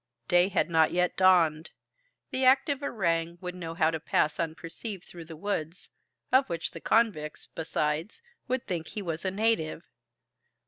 Day had not yet dawned. The active orang would know how to pass unperceived through the woods, of which the convicts, besides, would think he was a native.